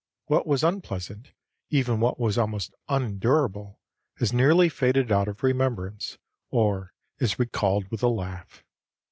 What was unpleasant, even what was almost unendurable, has nearly faded out of remembrance or is recalled with a laugh.